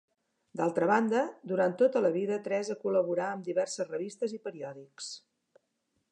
D’altra banda, durant tota la vida Teresa col·laborà amb diverses revistes i periòdics.